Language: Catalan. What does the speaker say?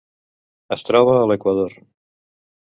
Es troba a l'Equador.